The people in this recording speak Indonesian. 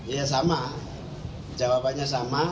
ya sama jawabannya sama